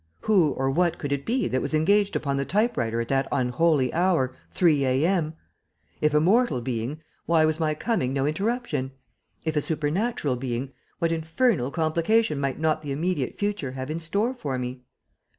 Who or what could it be that was engaged upon the type writer at that unholy hour, 3 A.M.? If a mortal being, why was my coming no interruption? If a supernatural being, what infernal complication might not the immediate future have in store for me?